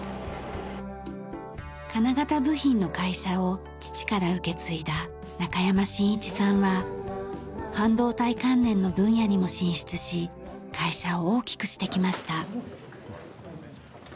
金型部品の会社を父から受け継いだ中山愼一さんは半導体関連の分野にも進出し会社を大きくしてきました。